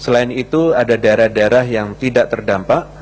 selain itu ada daerah daerah yang tidak terdampak